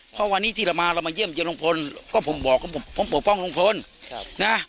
เพราะวันนี้ที่เรามาเรามาเยี่ยมลุงพลก็ผมบอกว่าผมปกป้องลุงพลนะ